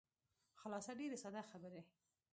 خلاصه ډېرې ساده خبرې.